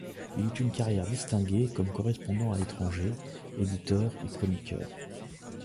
Il eut une carrière distinguée comme correspondant à l'étranger, éditeur et chroniqueur.